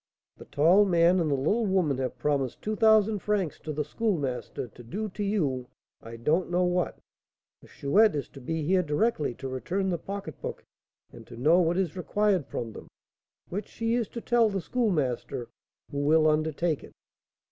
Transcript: "The tall man and the little woman have promised two thousand francs to the Schoolmaster to do to you I don't know what. The Chouette is to be here directly to return the pocketbook, and to know what is required from them, which she is to tell the Schoolmaster, who will undertake it."